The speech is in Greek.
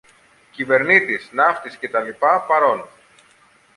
Κυβερνήτης, ναύτης και τα λοιπά, παρών!